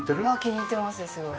気に入ってますすごい。